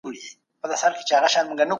ډیپلوماټان څنګه د کډوالو ستونزي حل کوي؟